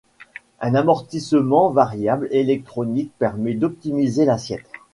Un amortissement variable électronique permet d'optimiser l'assiette.